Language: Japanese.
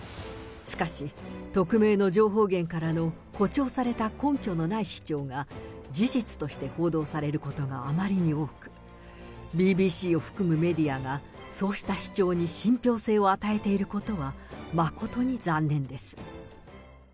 しかし、匿名の情報源からの誇張された根拠のない主張が、事実として報道されることがあまりに多く、ＢＢＣを含むメディアが、そうした主張に信ぴょう性を与えていることは、誠に残念です。